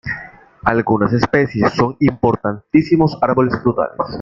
Algunas especies son importantísimos árboles frutales.